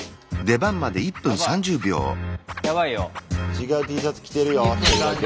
違うＴシャツ着てるよ一人だけ。